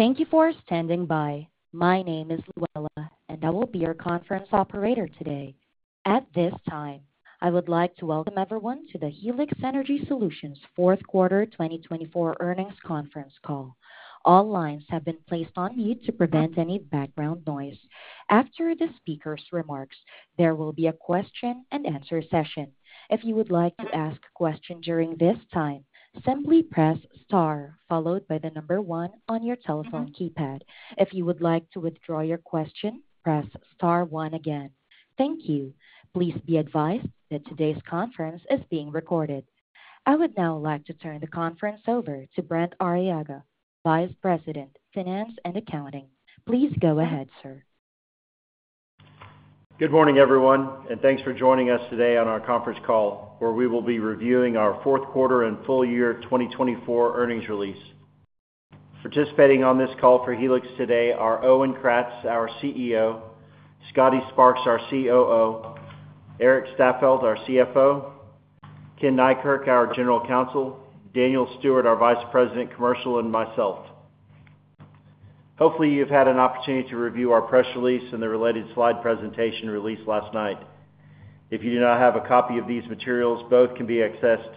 Thank you for standing by. My name is Luella, and I will be your conference operator today. At this time, I would like to welcome everyone to the Helix Energy Solutions Fourth Quarter 2024 Earnings Conference Call. All lines have been placed on mute to prevent any background noise. After the speaker's remarks, there will be a question-and-answer session. If you would like to ask a question during this time, simply press star, followed by the number one on your telephone keypad. If you would like to withdraw your question, press Star one again. Thank you. Please be advised that today's conference is being recorded. I would now like to turn the conference over to Brent Arriaga, Vice President, Finance and Accounting. Please go ahead, sir. Good morning, everyone, and thanks for joining us today on our conference call, where we will be reviewing our Fourth Quarter and Full Year 2024 Earnings Release. Participating on this call for Helix today are Owen Kratz, our CEO; Scotty Sparks, our COO; Erik Staffeldt, our CFO; Ken Neikirk, our General Counsel; Daniel Stuart, our Vice President, Commercial; and myself. Hopefully, you've had an opportunity to review our press release and the related slide presentation released last night. If you do not have a copy of these materials, both can be accessed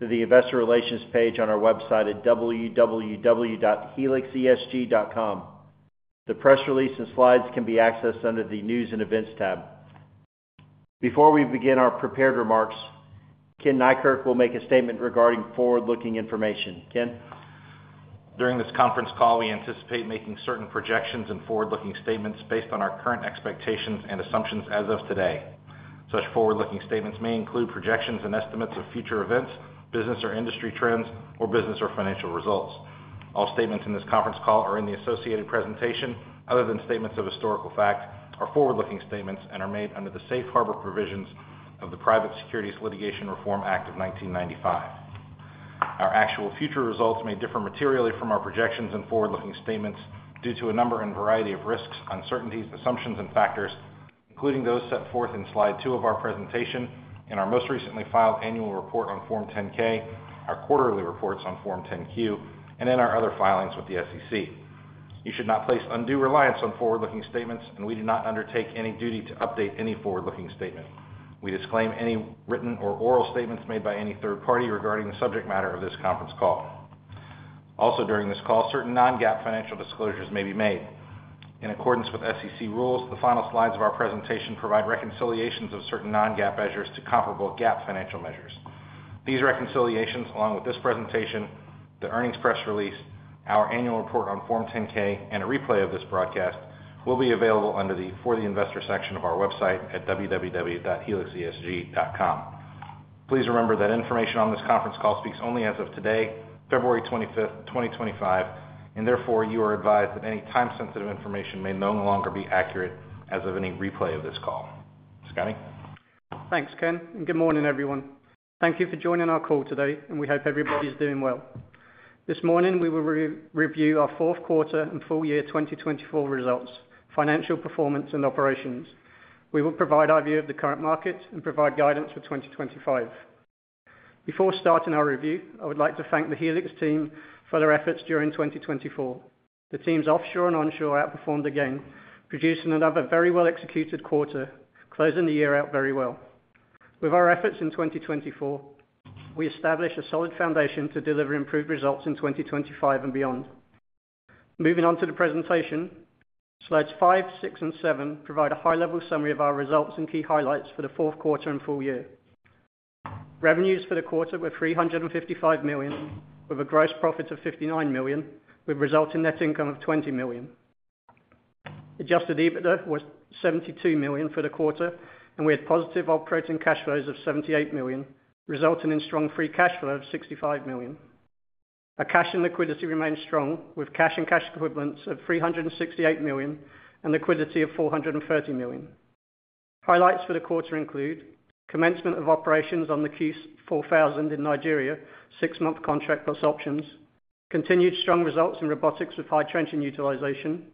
through the Investor Relations page on our website at www.helixesg.com. The press release and slides can be accessed under the News and Events tab. Before we begin our prepared remarks, Ken Neikirk will make a statement regarding forward-looking information. Ken? During this conference call, we anticipate making certain projections and forward-looking statements based on our current expectations and assumptions as of today. Such forward-looking statements may include projections and estimates of future events, business or industry trends, or business or financial results. All statements in this conference call or in the associated presentation, other than statements of historical fact, are forward-looking statements and are made under the Safe Harbor Provisions of the Private Securities Litigation Reform Act of 1995. Our actual future results may differ materially from our projections and forward-looking statements due to a number and variety of risks, uncertainties, assumptions, and factors, including those set forth in Slide two of our presentation, in our most recently filed annual report on Form 10-K, our quarterly reports on Form 10-Q, and in our other filings with the SEC. You should not place undue reliance on forward-looking statements, and we do not undertake any duty to update any forward-looking statement. We disclaim any written or oral statements made by any third party regarding the subject matter of this conference call. Also, during this call, certain non-GAAP financial disclosures may be made. In accordance with SEC rules, the final slides of our presentation provide reconciliations of certain non-GAAP measures to comparable GAAP financial measures. These reconciliations, along with this presentation, the earnings press release, our annual report on Form 10-K, and a replay of this broadcast, will be available under the For the Investor section of our website at www.helixesg.com. Please remember that information on this conference call speaks only as of today, February 25, 2025, and therefore you are advised that any time-sensitive information may no longer be accurate as of any replay of this call. Scotty? Thanks, Ken. Good morning, everyone. Thank you for joining our call today, and we hope everybody's doing well. This morning, we will review our Fourth Quarter and Full Year 2024 results, financial performance, and operations. We will provide our view of the current market and provide guidance for 2025. Before starting our review, I would like to thank the Helix team for their efforts during 2024. The team's offshore and onshore outperformed again, producing another very well-executed quarter, closing the year out very well. With our efforts in 2024, we established a solid foundation to deliver improved results in 2025 and beyond. Moving on to the presentation, Slides five, six, and seven provide a high-level summary of our results and key highlights for the Fourth Quarter and Full Year. Revenues for the quarter were $355 million, with a gross profit of $59 million, with resulting net income of $20 million. Adjusted EBITDA was $72 million for the quarter, and we had positive operating cash flows of $78 million, resulting in strong free cash flow of $65 million. Our cash and liquidity remained strong, with cash and cash equivalents of $368 million and liquidity of $430 million. Highlights for the quarter include commencement of operations on the Q4000 in Nigeria, six-month contract plus options, continued strong results in Robotics with high trenching utilization,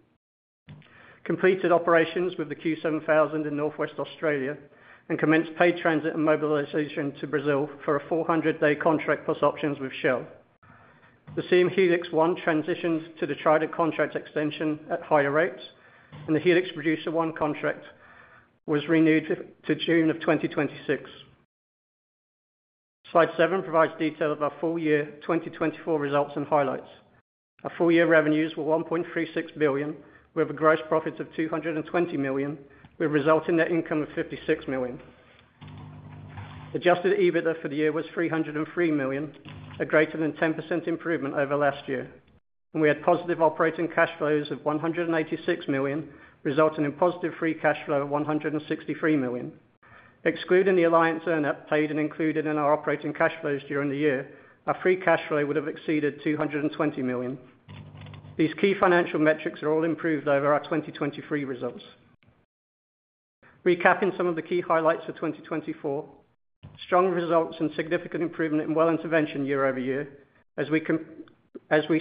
completed operations with the Q7000 in Northwest Australia, and commenced paid transit and mobilization to Brazil for a 400-day contract plus options with Shell. The Siem Helix 1 transitioned to the Trident contract extension at higher rates, and the Helix Producer I contract was renewed to June of 2026. Slide 7 provides detail of our full year 2024 results and highlights. Our full year revenues were $1.36 billion, with a gross profit of $220 million, with resulting net income of $56 million. Adjusted EBITDA for the year was $303 million, a greater than 10% improvement over last year. We had positive operating cash flows of $186 million, resulting in positive free cash flow of $163 million. Excluding the Alliance earn-out paid and included in our operating cash flows during the year, our free cash flow would have exceeded $220 million. These key financial metrics are all improved over our 2023 results. Recapping some of the key highlights for 2024: strong results and significant improvement in Well Intervention year-over-year, as we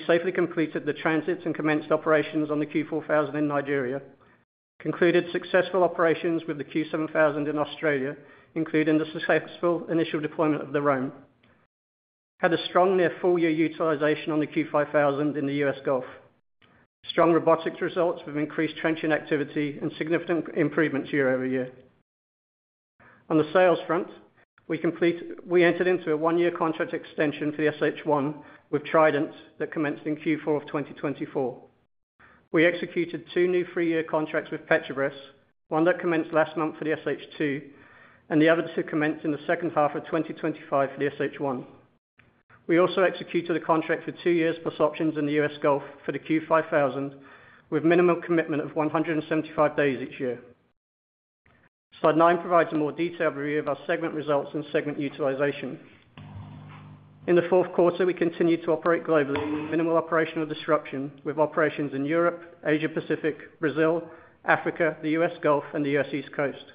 safely completed the transits and commenced operations on the Q4000 in Nigeria. We concluded successful operations with the Q7000 in Australia, including the successful initial deployment of the ROAM. We had a strong near full year utilization on the Q5000 in the U.S. Gulf. We had strong Robotics results with increased trenching activity and significant improvements year-over-year. On the sales front, we entered into a one-year contract extension for the SH1 with Trident that commenced in Q4 of 2024. We executed two new three-year contracts with Petrobras, one that commenced last month for the SH2, and the other to commence in the second half of 2025 for the SH1. We also executed a contract for two years plus options in the U.S. Gulf for the Q5000, with minimal commitment of 175 days each year. Slide nine provides a more detailed review of our segment results and segment utilization. In the Fourth Quarter, we continued to operate globally with minimal operational disruption, with operations in Europe, Asia Pacific, Brazil, Africa, the U.S. Gulf, and the U.S. East Coast.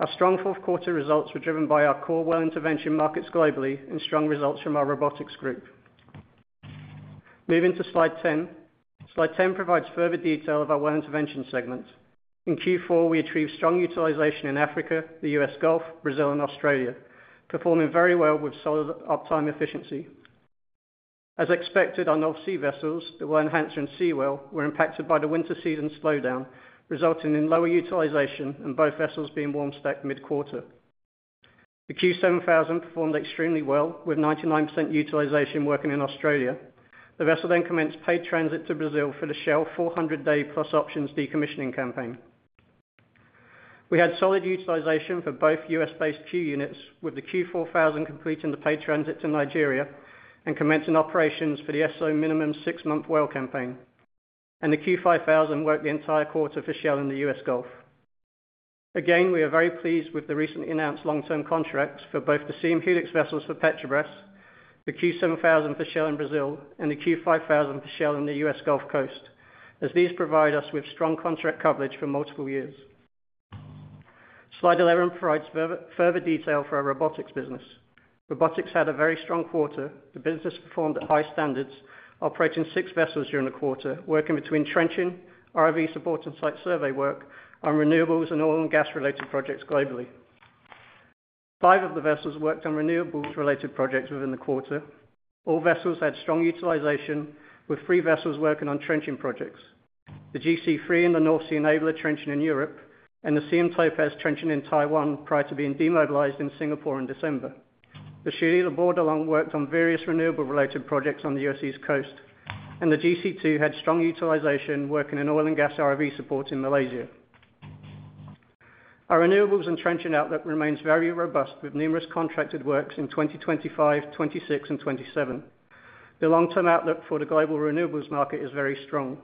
Our strong Fourth Quarter results were driven by our core Well Intervention markets globally and strong results from our Robotics group. Moving to Slide 10, Slide 10 provides further detail of our Well Intervention segment. In Q4, we achieved strong utilization in Africa, the U.S. Gulf, Brazil, and Australia, performing very well with solid uptime efficiency. As expected on offshore vessels, the Well Enhancer and Seawell were impacted by the winter season slowdown, resulting in lower utilization and both vessels being warm stacked mid-quarter. The Q7000 performed extremely well, with 99% utilization working in Australia. The vessel then commenced paid transit to Brazil for the Shell 400-day plus options decommissioning campaign. We had solid utilization for both U.S.-based Q units, with the Q4000 completing the paid transit to Nigeria and commencing operations for the Esso minimum six-month well campaign, and the Q5000 worked the entire quarter for Shell in the U.S. Gulf. Again, we are very pleased with the recently announced long-term contracts for both the Siem Helix vessels for Petrobras, the Q7000 for Shell in Brazil, and the Q5000 for Shell in the U.S. Gulf Coast, as these provide us with strong contract coverage for multiple years. Slide 11 provides further detail for our Robotics business. Robotics had a very strong quarter. The business performed at high standards, operating six vessels during the quarter, working between trenching, ROV support, and site survey work on renewables and oil and gas-related projects globally. Five of the vessels worked on renewables-related projects within the quarter. All vessels had strong utilization, with three vessels working on trenching projects: the GC III in the North Sea, Enabler trenching in Europe, and the Siem Topaz trenching in Taiwan prior to being demobilized in Singapore in December. The Shelia Bordelon worked on various renewable-related projects on the U.S. East Coast, and the GC II had strong utilization working in oil and gas ROV support in Malaysia. Our renewables and trenching outlook remains very robust, with numerous contracted works in 2025, 2026, and 2027. The long-term outlook for the global renewables market is very strong.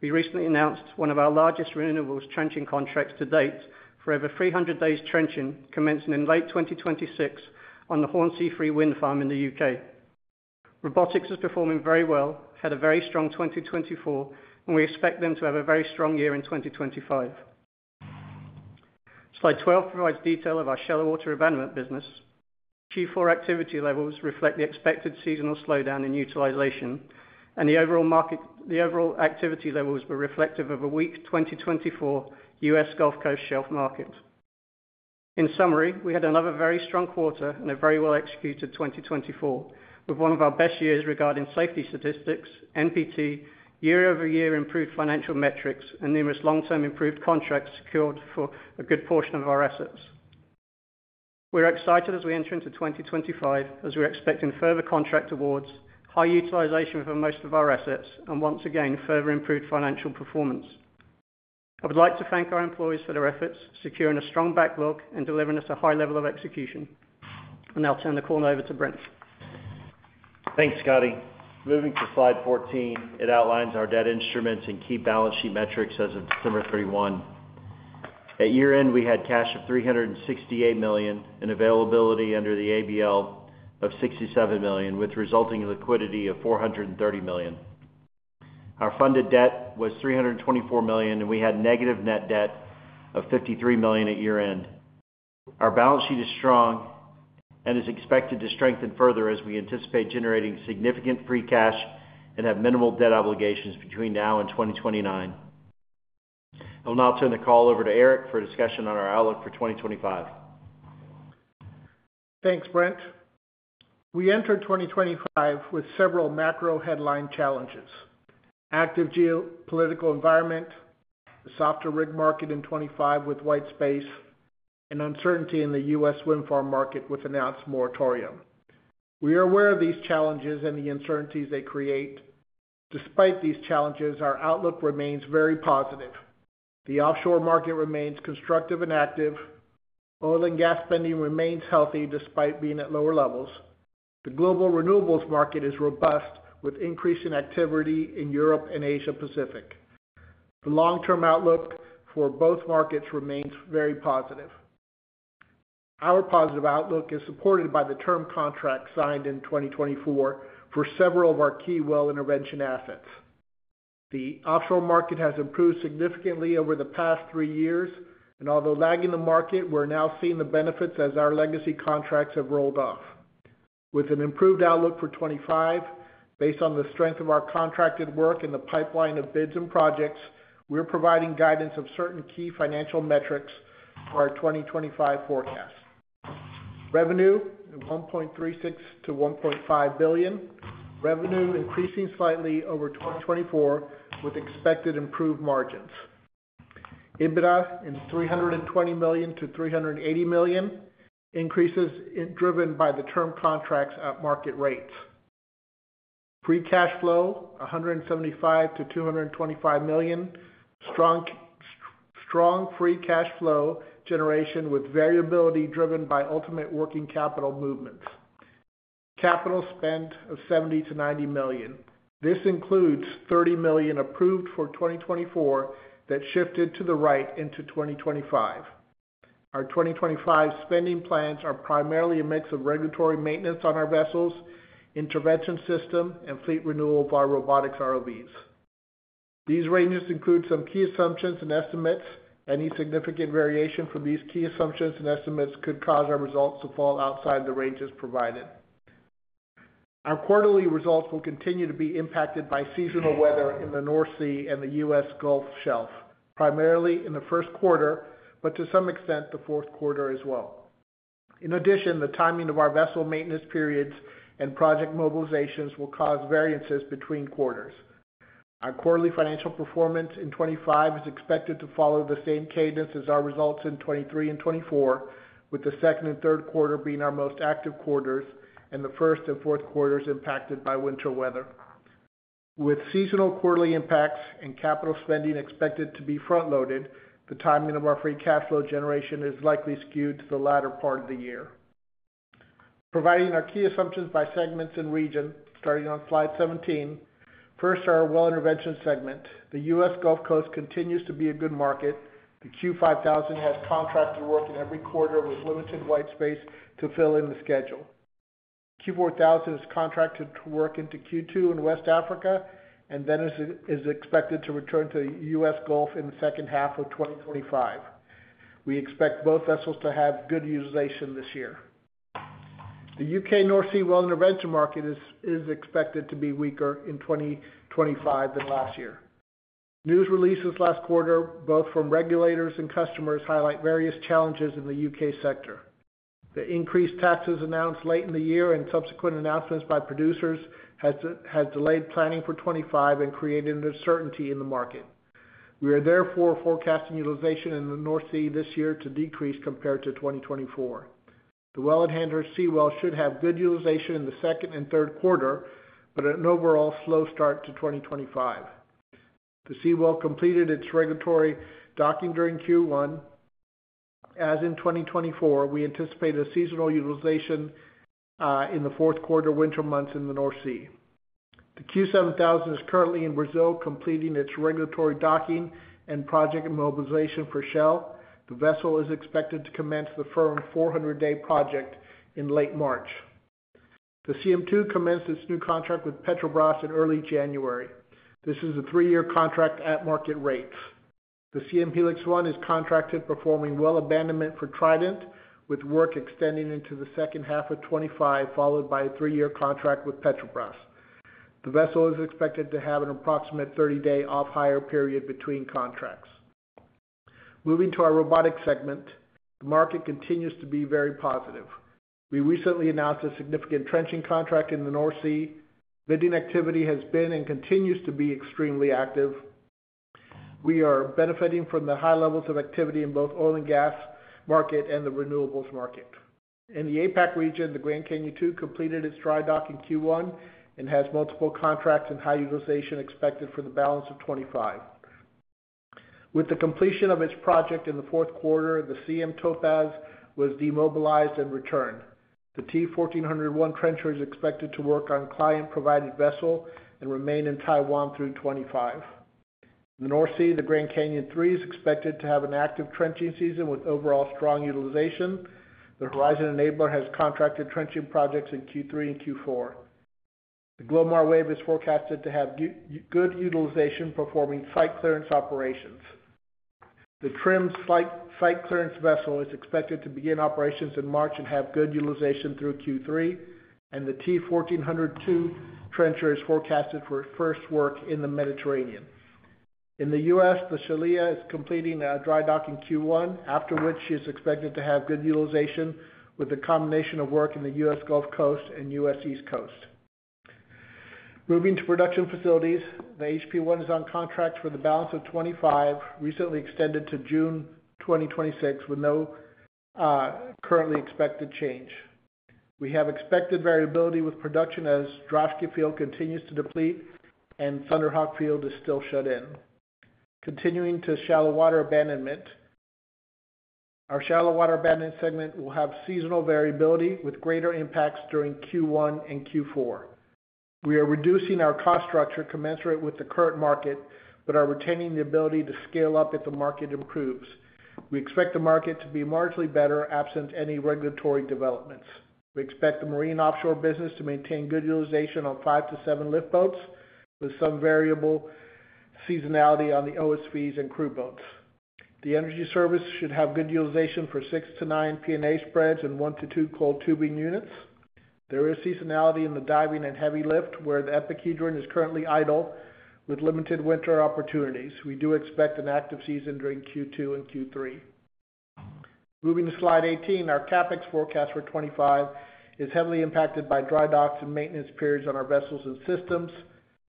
We recently announced one of our largest renewables trenching contracts to date for over 300 days trenching, commencing in late 2026 on the Hornsea 3 Wind Farm in the U.K. Robotics is performing very well, had a very strong 2024, and we expect them to have a very strong year in 2025. Slide 12 provides detail of our Shallow Water Abandonment business. Q4 activity levels reflect the expected seasonal slowdown in utilization, and the overall market activity levels were reflective of a weak 2024 U.S. Gulf Coast shelf market. In summary, we had another very strong quarter and a very well-executed 2024, with one of our best years regarding safety statistics, NPT, year-over-year improved financial metrics, and numerous long-term improved contracts secured for a good portion of our assets. We're excited as we enter into 2025, as we're expecting further contract awards, high utilization for most of our assets, and once again, further improved financial performance. I would like to thank our employees for their efforts, securing a strong backlog and delivering us a high level of execution, and I'll turn it over to Brent. Thanks, Scotty. Moving to Slide 14, it outlines our debt instruments and key balance sheet metrics as of December 31. At year-end, we had cash of $368 million and availability under the ABL of $67 million, with resulting liquidity of $430 million. Our funded debt was $324 million, and we had negative net debt of $53 million at year-end. Our balance sheet is strong and is expected to strengthen further as we anticipate generating significant free cash and have minimal debt obligations between now and 2029. I will now turn the call over to Erik for a discussion on our outlook for 2025. Thanks, Brent. We entered 2025 with several macro headline challenges: active geopolitical environment, the softer rig market in 2025 with white space, and uncertainty in the U.S. wind farm market with announced moratorium. We are aware of these challenges and the uncertainties they create. Despite these challenges, our outlook remains very positive. The offshore market remains constructive and active. Oil and gas spending remains healthy despite being at lower levels. The global renewables market is robust with increasing activity in Europe and Asia Pacific. The long-term outlook for both markets remains very positive. Our positive outlook is supported by the term contract signed in 2024 for several of our key Well Intervention assets. The offshore market has improved significantly over the past three years, and although lagging the market, we're now seeing the benefits as our legacy contracts have rolled off. With an improved outlook for 2025, based on the strength of our contracted work and the pipeline of bids and projects, we're providing guidance of certain key financial metrics for our 2025 forecast. Revenue: $1.36 billion-$1.5 billion, revenue increasing slightly over 2024 with expected improved margins. EBITDA: $320 million-$380 million, increases driven by the term contracts at market rates. Free cash flow: $175 million-$225 million, strong free cash flow generation with variability driven by ultimate working capital movements. Capital spend of $70 million-$90 million. This includes $30 million approved for 2024 that shifted to the right into 2025. Our 2025 spending plans are primarily a mix of regulatory maintenance on our vessels, intervention system, and fleet renewal of our Robotics ROVs. These ranges include some key assumptions and estimates. Any significant variation from these key assumptions and estimates could cause our results to fall outside the ranges provided. Our quarterly results will continue to be impacted by seasonal weather in the North Sea and the U.S. Gulf Shelf, primarily in the first quarter, but to some extent the fourth quarter as well. In addition, the timing of our vessel maintenance periods and project mobilizations will cause variances between quarters. Our quarterly financial performance in 2025 is expected to follow the same cadence as our results in 2023 and 2024, with the second and third quarter being our most active quarters and the first and fourth quarters impacted by winter weather. With seasonal quarterly impacts and capital spending expected to be front-loaded, the timing of our Free Cash Flow generation is likely skewed to the latter part of the year. Providing our key assumptions by segments and region, starting on Slide 17, first are our Well Intervention segment. The U.S. Gulf Coast continues to be a good market. The Q5000 has contracted work in every quarter with limited white space to fill in the schedule. Q4000 is contracted to work into Q2 in West Africa and then is expected to return to the U.S. Gulf in the second half of 2025. We expect both vessels to have good utilization this year. The U.K. North Sea Well Intervention market is expected to be weaker in 2025 than last year. News releases last quarter, both from regulators and customers, highlight various challenges in the U.K. sector. The increased taxes announced late in the year and subsequent announcements by producers have delayed planning for 2025 and created uncertainty in the market. We are therefore forecasting utilization in the North Sea this year to decrease compared to 2024. The Well Enhancer and Seawell should have good utilization in the second and third quarter, but an overall slow start to 2025. The Seawell completed its regulatory docking during Q1. As in 2024, we anticipate a seasonal utilization in the fourth quarter winter months in the North Sea. The Q7000 is currently in Brazil completing its regulatory docking and project mobilization for Shell. The vessel is expected to commence the firm 400-day project in late March. The Siem 2 commenced its new contract with Petrobras in early January. This is a three-year contract at market rates. The Siem Helix 1 is contracted performing well abandonment for Trident, with work extending into the second half of 2025, followed by a three-year contract with Petrobras. The vessel is expected to have an approximate 30-day off-hire period between contracts. Moving to our Robotics segment, the market continues to be very positive. We recently announced a significant trenching contract in the North Sea. Bidding activity has been and continues to be extremely active. We are benefiting from the high levels of activity in both oil and gas market and the renewables market. In the APAC region, the Grand Canyon II completed its dry dock in Q1 and has multiple contracts and high utilization expected for the balance of 2025. With the completion of its project in the fourth quarter, the Siem Topaz was demobilized and returned. The T1400-1 trencher is expected to work on client-provided vessel and remain in Taiwan through 2025. In the North Sea, the Grand Canyon III is expected to have an active trenching season with overall strong utilization. The Horizon Enabler has contracted trenching projects in Q3 and Q4. The Glomar Wave is forecasted to have good utilization performing site clearance operations. The Triton site clearance vessel is expected to begin operations in March and have good utilization through Q3, and the T1400-2 trencher is forecasted for first work in the Mediterranean. In the U.S., the Shelia is completing a dry dock in Q1, after which she is expected to have good utilization with a combination of work in the U.S. Gulf Coast and U.S. East Coast. Moving to Production Facilities, the HP I is on contract for the balance of 2025, recently extended to June 2026 with no currently expected change. We have expected variability with production as Droshky Field continues to deplete and Thunder Hawk Field is still shut in. Continuing to Shallow Water Abandonment, our Shallow Water Abandonment segment will have seasonal variability with greater impacts during Q1 and Q4. We are reducing our cost structure commensurate with the current market, but are retaining the ability to scale up if the market improves. We expect the market to be marginally better absent any regulatory developments. We expect the marine offshore business to maintain good utilization on five to seven liftboats with some variable seasonality on the OSVs and crew boats. The energy service should have good utilization for six to nine P&A spreads and one to two coiled tubing units. There is seasonality in the diving and heavy lift where the Epic Hedron is currently idle with limited winter opportunities. We do expect an active season during Q2 and Q3. Moving to Slide 18, our CapEx forecast for 2025 is heavily impacted by dry docks and maintenance periods on our vessels and systems.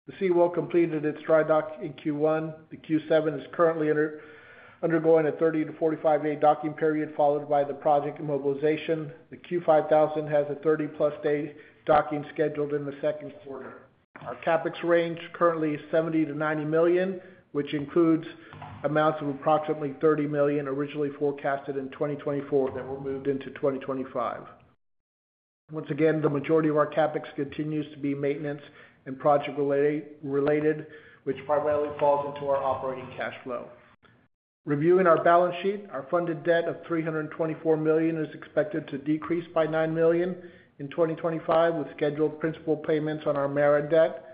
The Seawell completed its dry dock in Q1. The Q7000 is currently undergoing a 30-45-day docking period followed by the project mobilization. The Q5000 has a 30+ day docking scheduled in the second quarter. Our CapEx range currently is $70 million-$90 million, which includes amounts of approximately $30 million originally forecasted in 2024 that were moved into 2025. Once again, the majority of our CapEx continues to be maintenance and project-related, which primarily falls into our operating cash flow. Reviewing our balance sheet, our funded debt of $324 million is expected to decrease by $9 million in 2025 with scheduled principal payments on our term debt.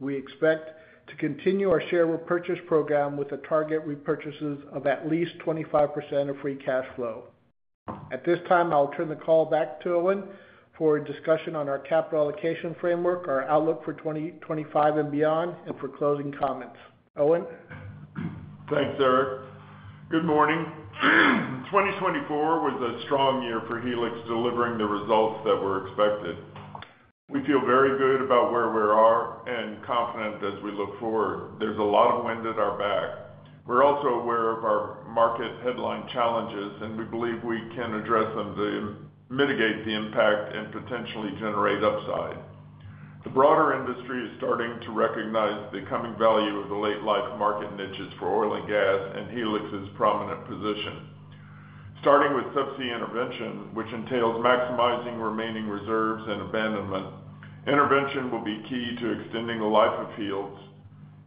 We expect to continue our share repurchase program with a target repurchases of at least 25% of free cash flow. At this time, I'll turn the call back to Owen for a discussion on our capital allocation framework, our outlook for 2025 and beyond, and for closing comments. Owen. Thanks, Erik. Good morning. 2024 was a strong year for Helix delivering the results that were expected. We feel very good about where we are and confident as we look forward. There's a lot of wind at our back. We're also aware of our market headline challenges, and we believe we can address them to mitigate the impact and potentially generate upside. The broader industry is starting to recognize the coming value of the late-life market niches for oil and gas and Helix's prominent position. Starting with subsea intervention, which entails maximizing remaining reserves and abandonment, intervention will be key to extending the life of fields,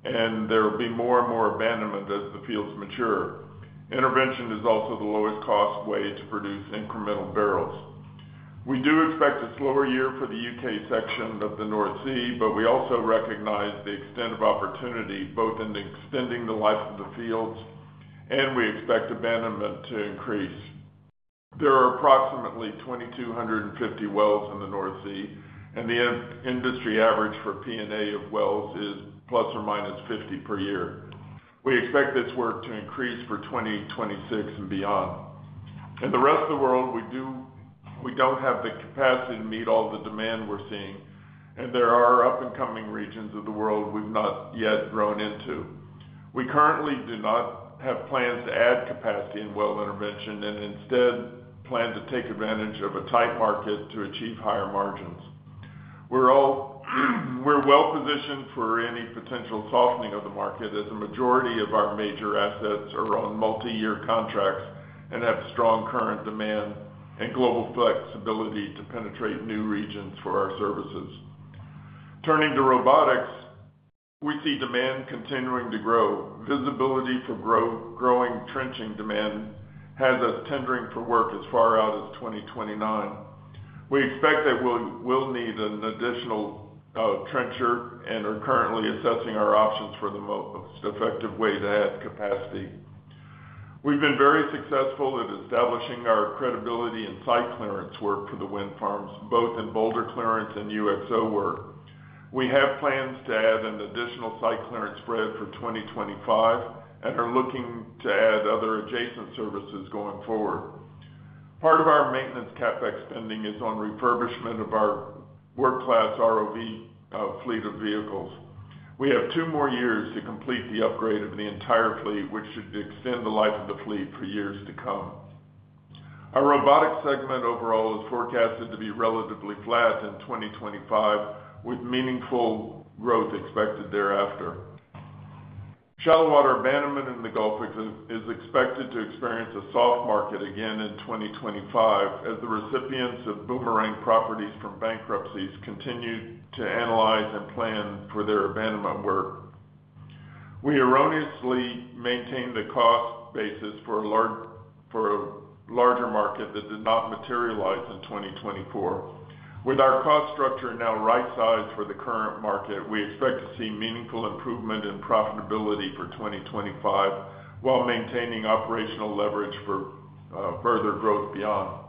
and there will be more and more abandonment as the fields mature. Intervention is also the lowest-cost way to produce incremental barrels. We do expect a slower year for the U.K. section of the North Sea, but we also recognize the extent of opportunity both in extending the life of the fields, and we expect abandonment to increase. There are approximately 2,250 wells in the North Sea, and the industry average for P&A of wells is ±50 per year. We expect this work to increase for 2026 and beyond. In the rest of the world, we don't have the capacity to meet all the demand we're seeing, and there are up-and-coming regions of the world we've not yet grown into. We currently do not have plans to add capacity in Well Intervention and instead plan to take advantage of a tight market to achieve higher margins. We're well positioned for any potential softening of the market as a majority of our major assets are on multi-year contracts and have strong current demand and global flexibility to penetrate new regions for our services. Turning to Robotics, we see demand continuing to grow. Visibility for growing trenching demand has us tendering for work as far out as 2029. We expect that we'll need an additional trencher and are currently assessing our options for the most effective way to add capacity. We've been very successful at establishing our credibility and site clearance work for the wind farms, both in boulder clearance and UXO work. We have plans to add an additional site clearance spread for 2025 and are looking to add other adjacent services going forward. Part of our maintenance CapEx spending is on refurbishment of our work-class ROV fleet of vehicles. We have two more years to complete the upgrade of the entire fleet, which should extend the life of the fleet for years to come. Our Robotics segment overall is forecasted to be relatively flat in 2025, with meaningful growth expected thereafter. Shallow Water Abandonment in the Gulf is expected to experience a soft market again in 2025 as the recipients of boomerang properties from bankruptcies continue to analyze and plan for their abandonment work. We erroneously maintained the cost basis for a larger market that did not materialize in 2024. With our cost structure now right-sized for the current market, we expect to see meaningful improvement in profitability for 2025 while maintaining operational leverage for further growth beyond.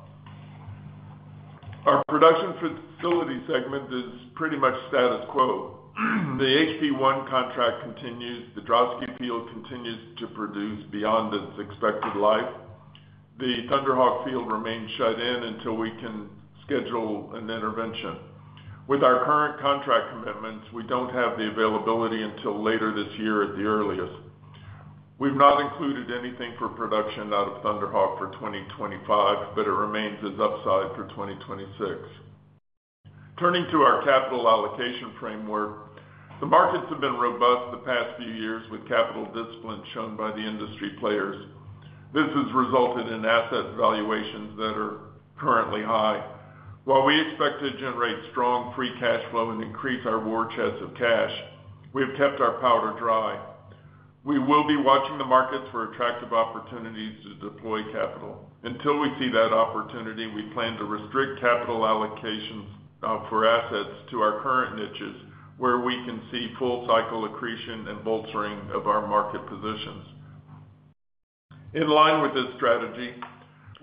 Our Production Facilities segment is pretty much status quo. The HP I contract continues. The Droshky Field continues to produce beyond its expected life. The Thunder Hawk Field remains shut in until we can schedule an intervention. With our current contract commitments, we don't have the availability until later this year at the earliest. We've not included anything for production out of Thunder Hawk for 2025, but it remains as upside for 2026. Turning to our capital allocation framework, the markets have been robust the past few years with capital discipline shown by the industry players. This has resulted in asset valuations that are currently high. While we expect to generate strong free cash flow and increase our war chest of cash, we have kept our powder dry. We will be watching the markets for attractive opportunities to deploy capital. Until we see that opportunity, we plan to restrict capital allocations for assets to our current niches where we can see full cycle accretion and bolstering of our market positions. In line with this strategy,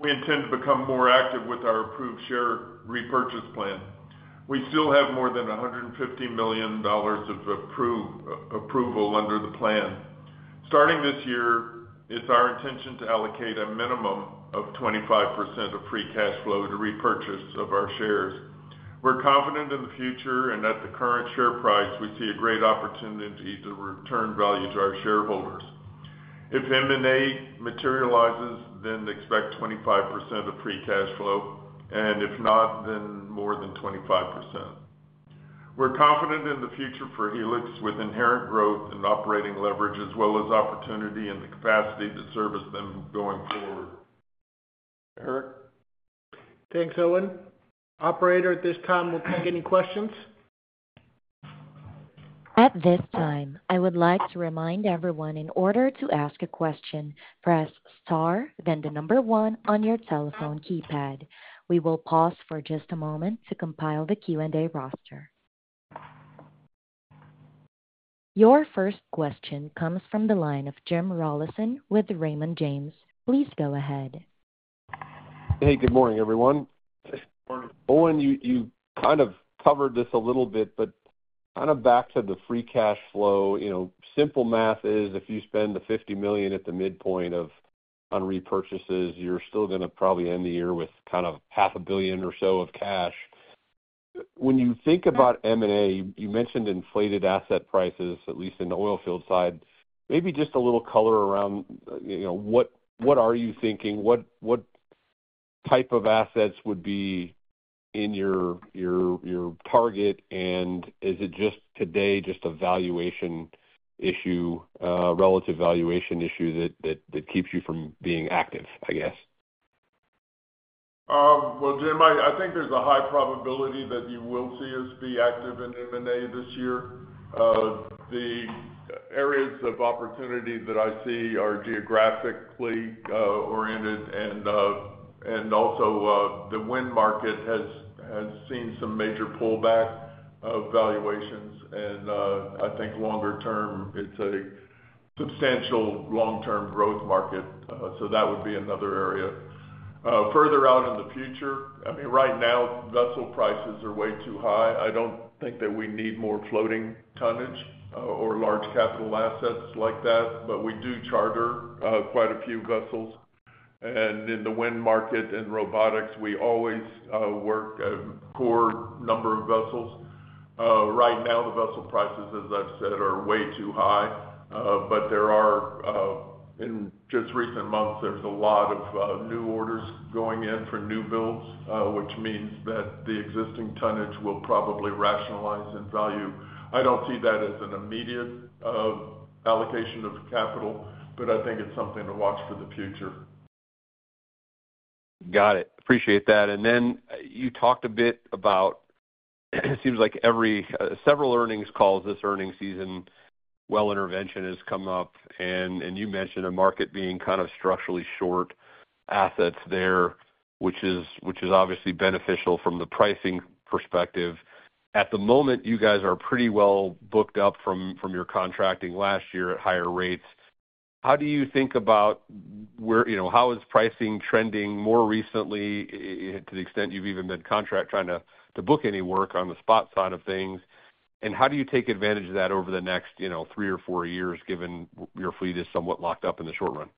we intend to become more active with our approved share repurchase plan. We still have more than $150 million of approval under the plan. Starting this year, it's our intention to allocate a minimum of 25% of free cash flow to repurchase of our shares. We're confident in the future and at the current share price, we see a great opportunity to return value to our shareholders. If M&A materializes, then expect 25% of free cash flow, and if not, then more than 25%. We're confident in the future for Helix with inherent growth and operating leverage as well as opportunity and the capacity to service them going forward. Erik. Thanks, Owen. Operator, at this time, we'll take any questions. At this time, I would like to remind everyone in order to ask a question, press star, then the number one on your telephone keypad. We will pause for just a moment to compile the Q&A roster. Your first question comes from the line of Jim Rollyson with Raymond James. Please go ahead. Hey, good morning, everyone. Owen, you kind of covered this a little bit, but kind of back to the free cash flow. Simple math is if you spend the $50 million at the midpoint of on repurchases, you're still going to probably end the year with kind of $500 million or so of cash. When you think about M&A, you mentioned inflated asset prices, at least in the oil field side. Maybe just a little color around what are you thinking? What type of assets would be in your target, and is it just today just a valuation issue, relative valuation issue that keeps you from being active, I guess? Jim, I think there's a high probability that you will see us be active in M&A this year. The areas of opportunity that I see are geographically oriented, and also the wind market has seen some major pullback of valuations. I think longer term, it's a substantial long-term growth market. That would be another area. Further out in the future, I mean, right now, vessel prices are way too high. I don't think that we need more floating tonnage or large capital assets like that, but we do charter quite a few vessels. In the wind market and Robotics, we always work a core number of vessels. Right now, the vessel prices, as I've said, are way too high, but there are, in just recent months, a lot of new orders going in for new builds, which means that the existing tonnage will probably rationalize in value. I don't see that as an immediate allocation of capital, but I think it's something to watch for the future. Got it. Appreciate that, and then you talked a bit about, it seems like, several earnings calls this earnings season. Well Intervention has come up, and you mentioned a market being kind of structurally short assets there, which is obviously beneficial from the pricing perspective. At the moment, you guys are pretty well booked up from your contracting last year at higher rates. How do you think about how is pricing trending more recently, to the extent you've even been contracting, trying to book any work on the spot side of things, and how do you take advantage of that over the next three or four years given your fleet is somewhat locked up in the short run?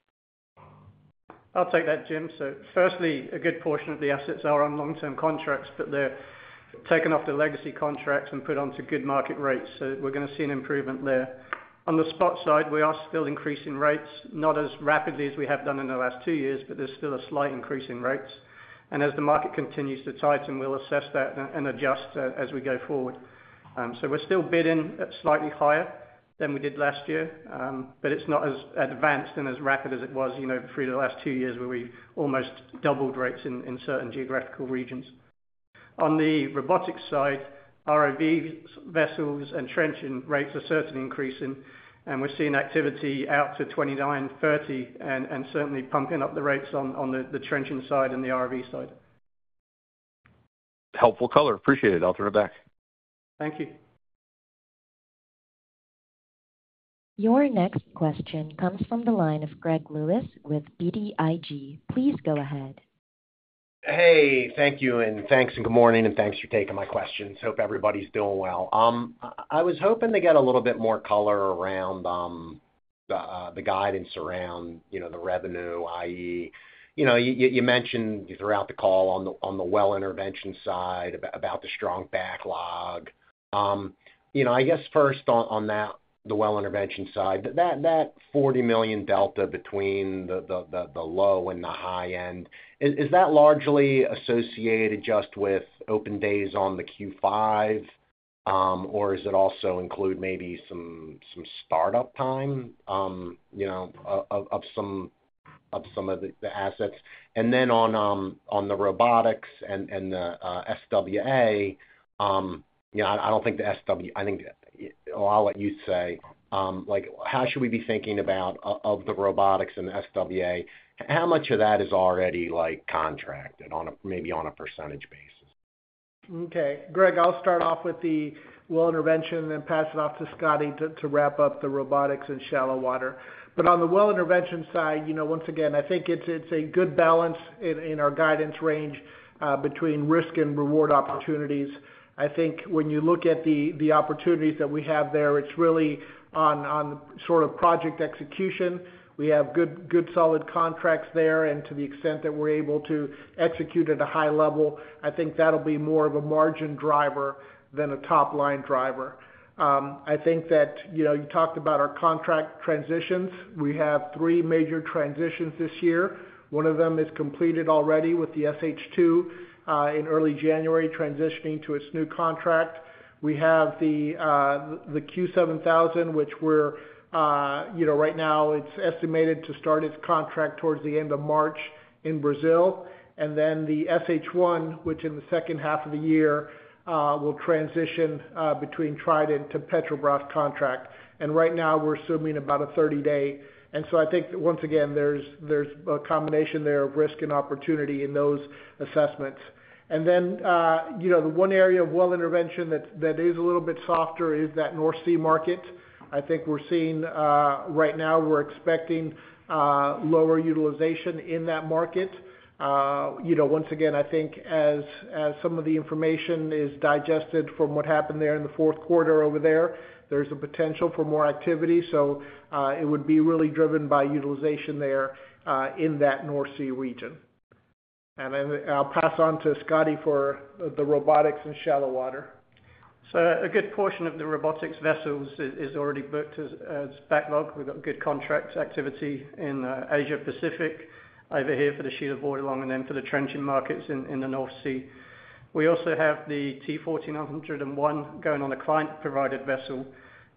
I'll take that, Jim. So firstly, a good portion of the assets are on long-term contracts, but they're taken off the legacy contracts and put onto good market rates. So we're going to see an improvement there. On the spot side, we are still increasing rates, not as rapidly as we have done in the last two years, but there's still a slight increase in rates. And as the market continues to tighten, we'll assess that and adjust as we go forward. So we're still bidding slightly higher than we did last year, but it's not as advanced and as rapid as it was through the last two years where we almost doubled rates in certain geographical regions. On the Robotics side, ROV vessels and trenching rates are certainly increasing, and we're seeing activity out to 29, 30, and certainly pumping up the rates on the trenching side and the ROV side. Helpful color. Appreciate it. I'll turn it back. Thank you. Your next question comes from the line of Greg Lewis with BTIG. Please go ahead. Hey, thank you, and thanks, and good morning, and thanks for taking my questions. Hope everybody's doing well. I was hoping to get a little bit more color around the guidance around the revenue, i.e., you mentioned throughout the call on the Well Intervention side about the strong backlog. I guess first on that, the Well Intervention side, that $40 million delta between the low and the high end, is that largely associated just with open days on the Q5, or does it also include maybe some startup time of some of the assets? And then on the Robotics and the SWA, I don't think the SW, I think, or I'll let you say, how should we be thinking about the Robotics and the SWA? How much of that is already contracted maybe on a percentage basis? Okay. Greg, I'll start off with the Well Intervention and then pass it off to Scotty to wrap up the Robotics and Shallow Water, but on the Well Intervention side, once again, I think it's a good balance in our guidance range between risk and reward opportunities. I think when you look at the opportunities that we have there, it's really on sort of project execution. We have good solid contracts there, and to the extent that we're able to execute at a high level, I think that'll be more of a margin driver than a top-line driver. I think that you talked about our contract transitions. We have three major transitions this year. One of them is completed already with the SH2 in early January, transitioning to its new contract. We have the Q7000, which we're right now, it's estimated to start its contract towards the end of March in Brazil. And then the SH1, which in the second half of the year will transition between Trident to Petrobras contract. And right now, we're assuming about a 30-day. And so I think, once again, there's a combination there of risk and opportunity in those assessments. And then the one area of Well Intervention that is a little bit softer is that North Sea market. I think we're seeing right now, we're expecting lower utilization in that market. Once again, I think as some of the information is digested from what happened there in the fourth quarter over there, there's a potential for more activity. So it would be really driven by utilization there in that North Sea region. And I'll pass on to Scotty for the Robotics and Shallow Water. A good portion of the Robotics vessels is already booked as backlog. We've got good contract activity in Asia-Pacific over here for the Shelia Bordelon and then for the trenching markets in the North Sea. We also have the T1400-1 going on a client-provided vessel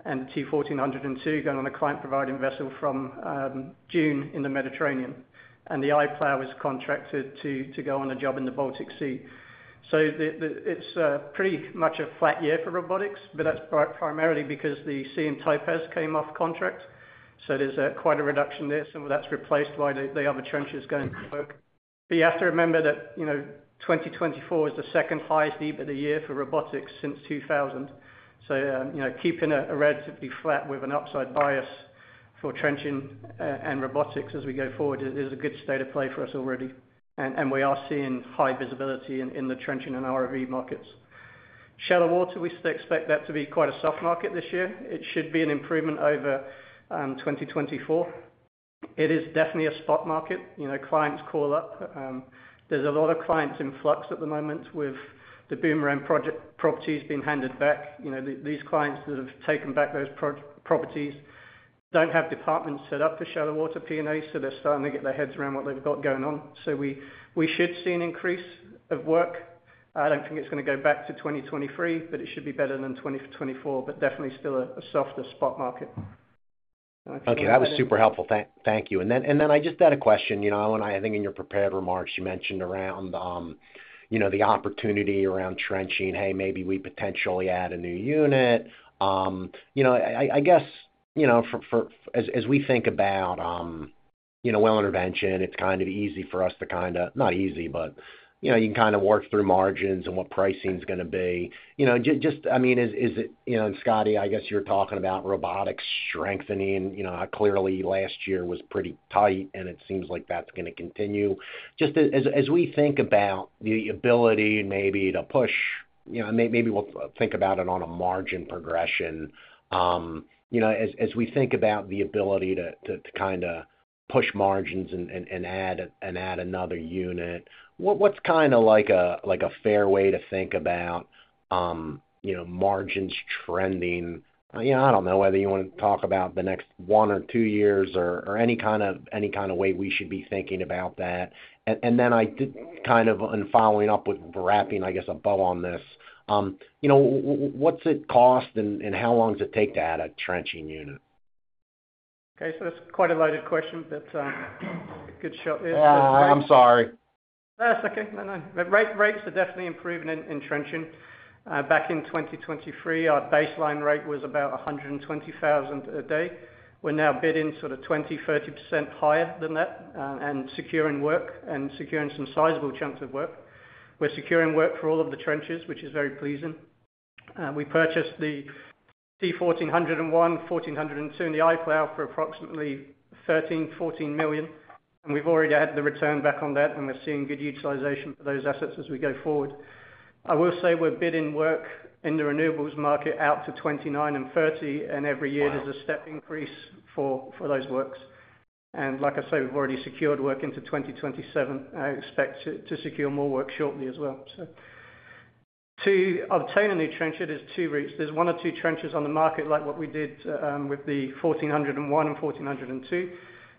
and T1400-2 going on a client-provided vessel from June in the Mediterranean. And the i-Plough is contracted to go on a job in the Baltic Sea. So it's pretty much a flat year for Robotics, but that's primarily because the Siem Topaz came off contract. So there's quite a reduction there. Some of that's replaced by the other trenches going to work. But you have to remember that 2024 is the second highest EBITDA of the year for Robotics since 2000. So keeping a relatively flat with an upside bias for trenching and Robotics as we go forward is a good state of play for us already. And we are seeing high visibility in the trenching and ROV markets. Shallow Water, we still expect that to be quite a soft market this year. It should be an improvement over 2024. It is definitely a spot market. Clients call up. There's a lot of clients in flux at the moment with the boomerang project properties being handed back. These clients that have taken back those properties don't have departments set up for Shallow Water P&A, so they're starting to get their heads around what they've got going on. So we should see an increase of work. I don't think it's going to go back to 2023, but it should be better than 2024, but definitely still a softer spot market. Okay. That was super helpful. Thank you. And then I just had a question. I think in your prepared remarks, you mentioned around the opportunity around trenching, hey, maybe we potentially add a new unit. I guess as we think about Well Intervention, it's kind of easy for us to kind of, not easy, but you can kind of work through margins and what pricing is going to be. Just, I mean, is it, and Scotty, I guess you were talking about Robotics strengthening. Clearly, last year was pretty tight, and it seems like that's going to continue. Just as we think about the ability maybe to push, maybe we'll think about it on a margin progression. As we think about the ability to kind of push margins and add another unit, what's kind of like a fair way to think about margins trending? I don't know whether you want to talk about the next one or two years or any kind of way we should be thinking about that. And then kind of following up with wrapping, I guess, a bow on this. What's it cost, and how long does it take to add a trenching unit? Okay. So that's quite a loaded question, but good shot. I'm sorry. No, that's okay. Rates are definitely improving in trenching. Back in 2023, our baseline rate was about $120,000 a day. We're now bidding sort of 20%-30% higher than that and securing work and securing some sizable chunks of work. We're securing work for all of the trenches, which is very pleasing. We purchased the T1400-1, T1400-2, and the i-Plough for approximately $13 million-$14 million. And we've already had the return back on that, and we're seeing good utilization for those assets as we go forward. I will say we're bidding work in the renewables market out to 2029 and 2030, and every year there's a step increase for those works. And like I say, we've already secured work into 2027. I expect to secure more work shortly as well. So to obtain a new trencher, it is two routes. There's one or two trenchers on the market like what we did with the T1400-1 and T1400-2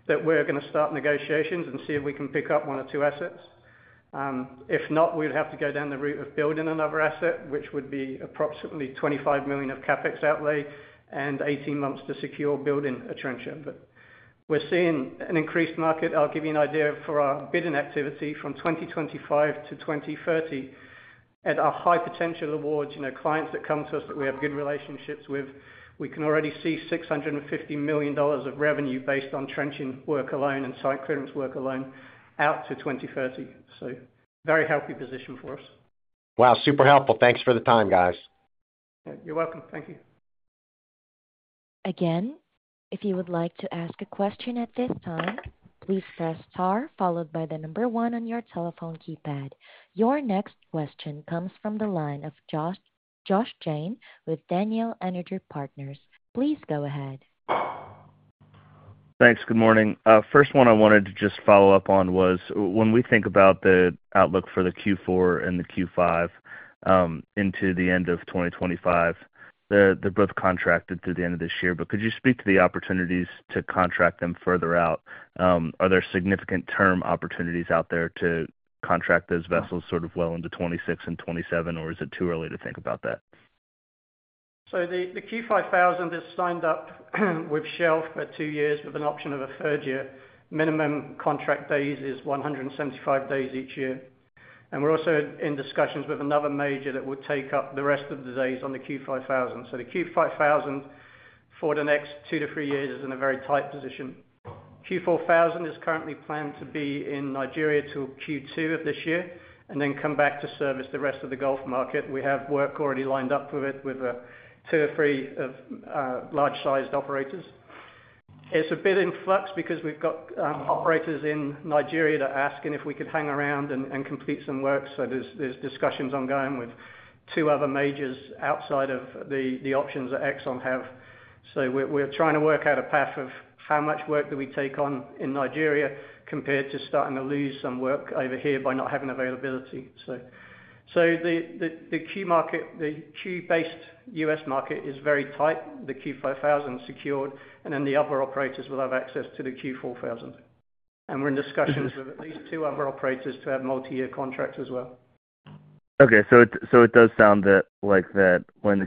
that we're going to start negotiations and see if we can pick up one or two assets. If not, we'd have to go down the route of building another asset, which would be approximately $25 million of CapEx outlay and 18 months to secure building a trencher. But we're seeing an increased market. I'll give you an idea for our bidding activity from 2025 to 2030. At our high potential awards, clients that come to us that we have good relationships with, we can already see $650 million of revenue based on trenching work alone and site clearance work alone out to 2030. So very healthy position for us. Wow. Super helpful. Thanks for the time, guys. You're welcome. Thank you. Again, if you would like to ask a question at this time, please press star followed by the number one on your telephone keypad. Your next question comes from the line of Josh Jayne with Daniel Energy Partners. Please go ahead. Thanks. Good morning. First one I wanted to just follow up on was when we think about the outlook for the Q4000 and the Q5000 into the end of 2025, they're both contracted to the end of this year. But could you speak to the opportunities to contract them further out? Are there significant term opportunities out there to contract those vessels sort of well into 2026 and 2027, or is it too early to think about that? The Q5000 is signed up with Shell for two years with an option of a third year. Minimum contract days is 175 days each year. And we're also in discussions with another major that will take up the rest of the days on the Q5000. The Q5000 for the next two to three years is in a very tight position. Q4000 is currently planned to be in Nigeria till Q2 of this year and then come back to service the rest of the Gulf market. We have work already lined up with it with two or three of large-sized operators. It's a bit in flux because we've got operators in Nigeria that are asking if we could hang around and complete some work. There's discussions ongoing with two other majors outside of the options that Exxon have. We're trying to work out a path of how much work do we take on in Nigeria compared to starting to lose some work over here by not having availability. So the Q-based U.S. market is very tight. The Q5000 is secured, and then the other operators will have access to the Q4000. And we're in discussions with at least two other operators to have multi-year contracts as well. Okay. So it does sound like that when the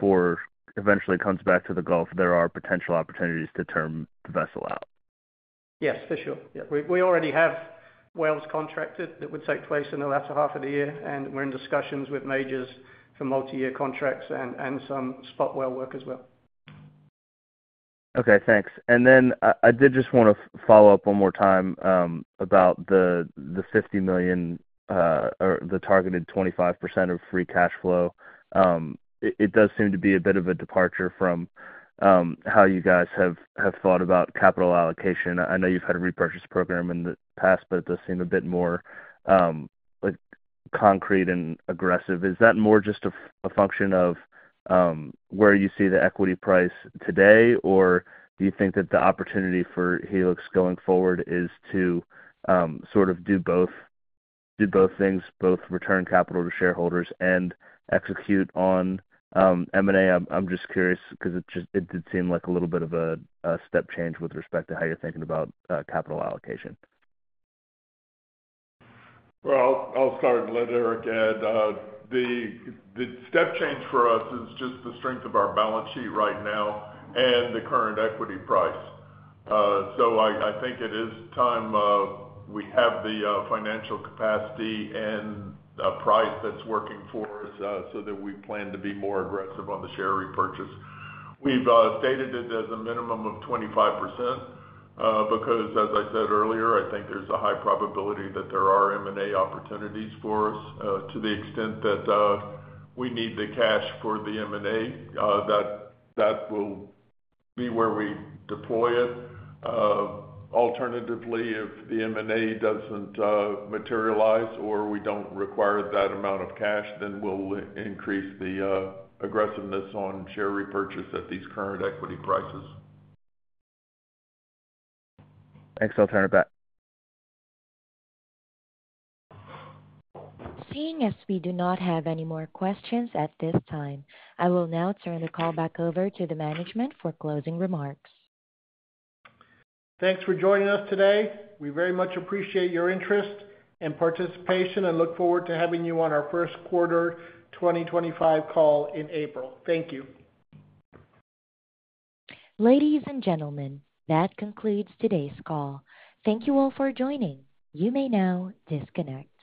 Q4000 eventually comes back to the Gulf, there are potential opportunities to term the vessel out. Yes, for sure. We already have wells contracted that would take place in the latter half of the year, and we're in discussions with majors for multi-year contracts and some spot well work as well. Okay. Thanks. And then I did just want to follow up one more time about the $50 million or the targeted 25% of free cash flow. It does seem to be a bit of a departure from how you guys have thought about capital allocation. I know you've had a repurchase program in the past, but it does seem a bit more concrete and aggressive. Is that more just a function of where you see the equity price today, or do you think that the opportunity for Helix going forward is to sort of do both things, both return capital to shareholders and execute on M&A? I'm just curious because it did seem like a little bit of a step change with respect to how you're thinking about capital allocation. I'll start and let Erik add. The step change for us is just the strength of our balance sheet right now and the current equity price. I think it is time we have the financial capacity and the price that's working for us so that we plan to be more aggressive on the share repurchase. We've stated it as a minimum of 25% because, as I said earlier, I think there's a high probability that there are M&A opportunities for us to the extent that we need the cash for the M&A. That will be where we deploy it. Alternatively, if the M&A doesn't materialize or we don't require that amount of cash, then we'll increase the aggressiveness on share repurchase at these current equity prices. Thanks. I'll turn it back. Seeing as we do not have any more questions at this time, I will now turn the call back over to the management for closing remarks. Thanks for joining us today. We very much appreciate your interest and participation and look forward to having you on our first quarter 2025 call in April. Thank you. Ladies and gentlemen, that concludes today's call. Thank you all for joining. You may now disconnect.